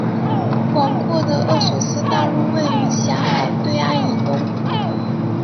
广阔的厄索斯大陆位于狭海对岸以东。